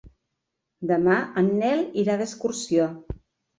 Demà en Nel irà d'excursió.